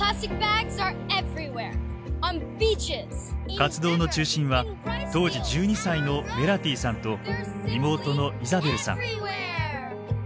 活動の中心は当時１２歳のメラティさんと妹のイザベルさん。